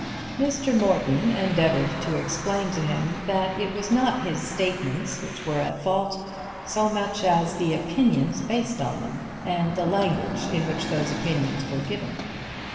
Mr. Morton endeavoured to explain to him that it was not his statements which were at fault so much as the opinions based on them and the language in which those opinions were given.